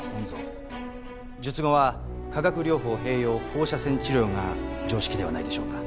術後は化学療法併用放射線治療が常識ではないでしょうか。